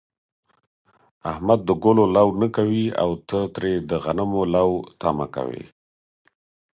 احمد د گلو لو نه کوي، او ته ترې د غنمو لو تمه کوې.